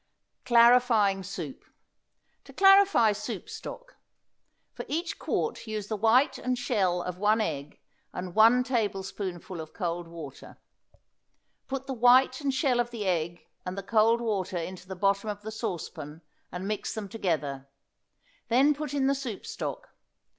CLARIFYING SOUP. To clarify soup stock: For each quart use the white and shell of one egg and one tablespoonful of cold water. Put the white and shell of the egg and the cold water into the bottom of the saucepan, and mix them together. Then put in the soup stock.